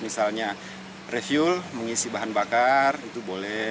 misalnya refuel mengisi bahan bakar itu boleh